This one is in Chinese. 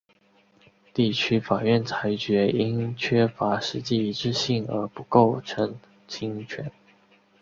地区法院裁决因缺乏实际一致性而不构成侵权。